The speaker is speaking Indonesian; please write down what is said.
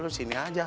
lo di sini aja